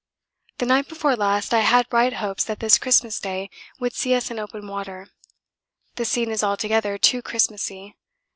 The night before last I had bright hopes that this Christmas Day would see us in open water. The scene is altogether too Christmassy.